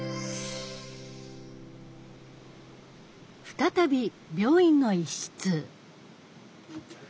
再び病院の一室。